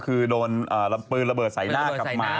คือโดนปืนระเบิดใส่หน้ากับหมา